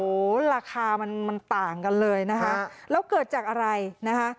โอ้โหราคามันมันต่างกันเลยนะคะแล้วเกิดจากอะไรนะคะ